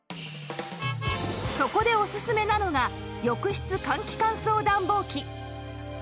そこでおすすめなのが浴室換気乾燥暖房機